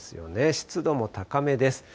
湿度も高めです。